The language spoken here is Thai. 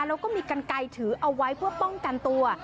แล้วก็มีกันไกลถือเอาไว้เพื่อป้องกันตัว